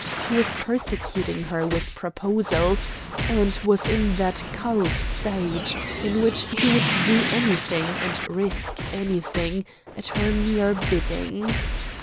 He was persecuting her with proposals, and was in that calf stage in which he would do anything, and risk anything, at her mere bidding.